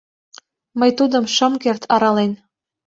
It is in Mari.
Мый тудым шым керт арален.